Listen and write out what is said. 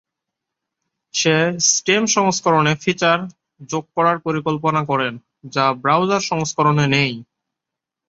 সে stem সংস্করণে feature যোগ করার পরিকল্পনা করেন যা ব্রাউজার সংস্করণে নেই।